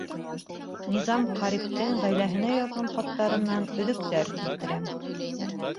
Низам Ҡәриптең ғаиләһенә яҙған хаттарынан өҙөктәр килтерәм.